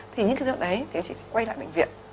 thì những cái rượu đấy thì chị phải quay lại bệnh viện